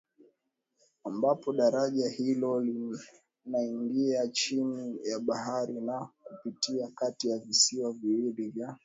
ambapo daraja hilo linaingia chini ya bahari na kupitia kati ya visiwa viwili vya